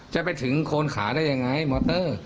จะไปถึงโคนขาได้ยังไงมอเตอร์